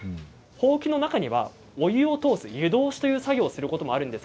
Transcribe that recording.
ほうきの中には、お湯を通す湯通しという作業があります。